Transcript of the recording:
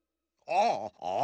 ああ！